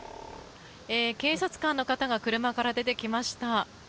警察官の方が車から出てきました。